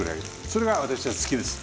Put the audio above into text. それが私は好きです。